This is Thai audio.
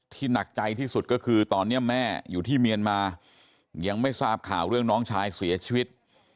หนักใจที่สุดก็คือตอนนี้แม่อยู่ที่เมียนมายังไม่ทราบข่าวเรื่องน้องชายเสียชีวิต